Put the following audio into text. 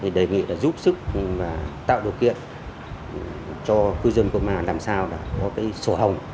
thì đề nghị là giúp sức tạo điều kiện cho cư dân công an làm sao là có cái sổ hồng